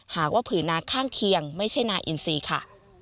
หากว่าผืนนาข้างเคียงไม่ใช่นาอินซีค่ะ